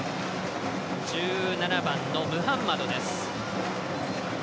１７番のムハンマドです。